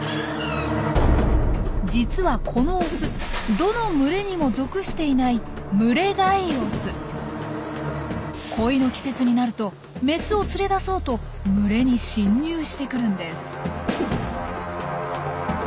実はこのオスどの群れにも属していない恋の季節になるとメスを連れ出そうと群れに侵入してくるんです。